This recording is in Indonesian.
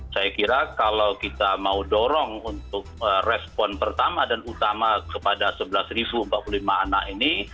saya kira kalau kita mau dorong untuk respon pertama dan utama kepada sebelas empat puluh lima anak ini